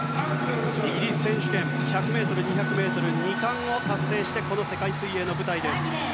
イギリス選手権１００ｍ、２００ｍで２冠を達成してこの世界水泳の舞台です。